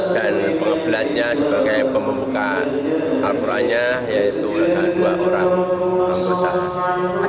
dan pengebelatnya sebagai pembuka al qurannya yaitu ada dua orang yang bertahan